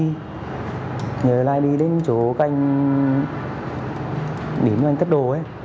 dạy nhờ like đi đến chỗ các anh tất đồ